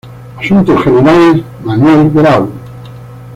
Asuntos generales: Manuel Grau.